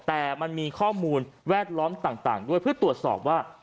แต่มันมีข้อมูลแวดล้อมต่างด้วยเพื่อตรวจสอบว่า